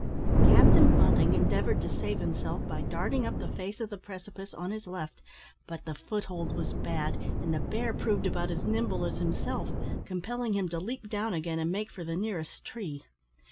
Captain Bunting endeavoured to save himself by darting up the face of the precipice on his left, but the foot hold was bad, and the bear proved about as nimble as himself, compelling him to leap down again and make for the nearest tree.